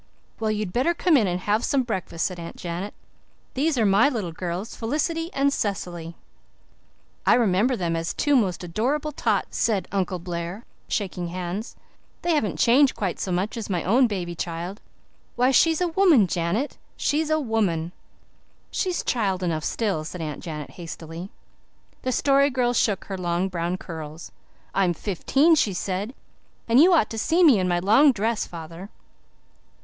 "Well, you'd better come in and have some breakfast," said Aunt Janet. "These are my little girls Felicity and Cecily." "I remember them as two most adorable tots," said Uncle Blair, shaking hands. "They haven't changed quite so much as my own baby child. Why, she's a woman, Janet she's a woman." "She's child enough still," said Aunt Janet hastily. The Story Girl shook her long brown curls. "I'm fifteen," she said. "And you ought to see me in my long dress, father."